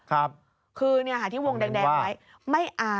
ขอบคุณครับ